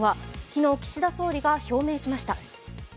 昨日、岸田総理が表明しました。